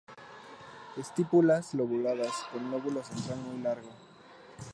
Estípulas lobuladas, con lóbulo central muy largo.